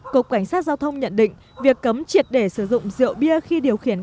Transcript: cục cảnh sát giao thông nhận định việc cấm triệt để sử dụng rượu bia khi điều khiển